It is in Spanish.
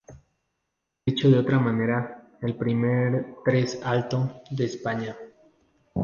Dicho de otra manera, el primer "tres alto" de España.